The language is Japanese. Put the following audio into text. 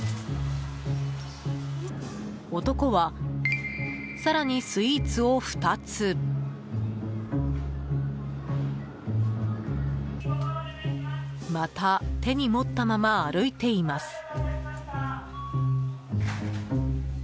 男は更にスイーツを２つまた手に持ったまま歩いています。